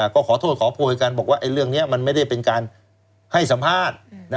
ก็ขอโทษขอโพยกันบอกว่าเรื่องนี้มันไม่ได้เป็นการให้สัมภาษณ์